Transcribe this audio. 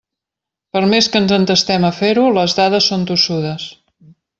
Per més que ens entestem a fer-ho, les dades són tossudes.